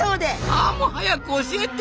ああもう早く教えて！